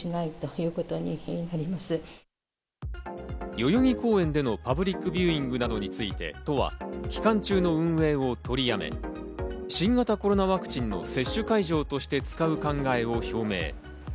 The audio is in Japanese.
代々木公園でのパブリックビューイングなどについて都は期間中の運営を取り止め、新型コロナワクチンの接種会場として使う考えを表明。